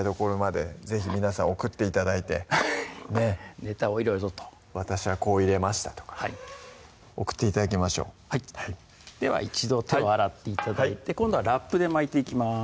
是非皆さん送って頂いてネタをいろいろと「私はこう入れました」とか送って頂きましょうでは一度手を洗って頂いて今度はラップで巻いていきます